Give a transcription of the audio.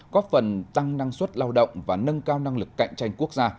góp phần tăng năng suất lao động và nâng cao năng lực cạnh tranh quốc gia